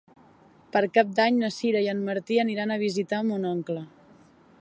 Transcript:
Per Cap d'Any na Sira i en Martí aniran a visitar mon oncle.